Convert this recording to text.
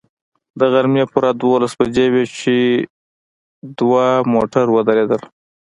د غرمې پوره دولس بجې وې چې دوه موټر ودرېدل.